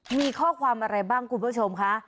มีข้อความอะไรบ้างคุณผู้ชมคะ